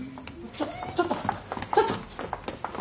ちょっちょっとちょっとちょっと！